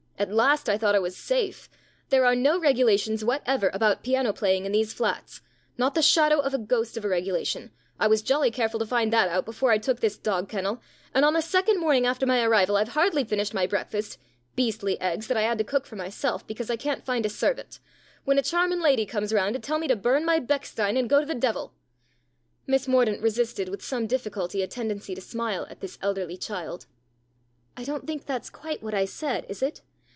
At last I thought I was safe. There are no regula tions whatever about piano playing in these flats not the shadow of a ghost of a regulation. I was jolly careful to find that out before I took this 170 STORIES IN GREY dog kennel, and on the second morning after my arrival I've hardly finished my breakfast beastly eggs that I had to cook for myself because I can't find a servant when a charmin' lady comes round to tell me to burn my Bechstein and go to the devil." Miss Mordaunt resisted with some difficulty a tendency to smile at this elderly child. " I don't think that's quite what I said, is it?